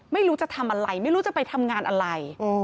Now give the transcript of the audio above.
ไม่รู้จะทำอะไรไม่รู้จะไปทำงานอะไร